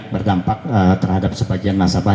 berdampak terhadap sebagian masyarakat